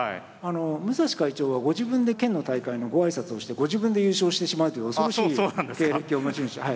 武蔵会長はご自分で県の大会のご挨拶をしてご自分で優勝してしまうという恐ろしい経歴の持ち主。